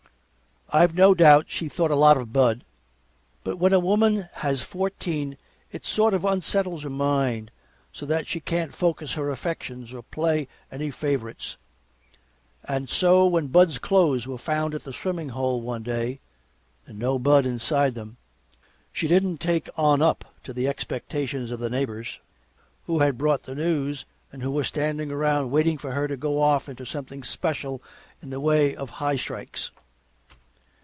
I've no doubt she thought a lot of Bud, but when a woman has fourteen it sort of unsettles her mind so that she can't focus her affections or play any favorites. And so when Bud's clothes were found at the swimming hole one day, and no Bud inside them, she didn't take on up to the expectations of the neighbors who had brought the news, and who were standing around waiting for her to go off into something special in the way of high strikes.